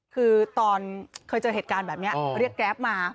คือตอนเคยเจอเหตุการณ์แบบนี้เรียกแกรปมา